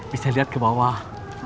bisa liat ke bawah